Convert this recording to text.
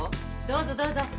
どうぞどうぞ。